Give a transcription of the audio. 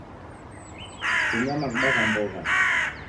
Tumia mavuda gha mbogha